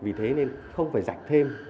vì thế nên không phải dạch thêm